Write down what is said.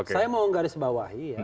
saya mau garis bawahi ya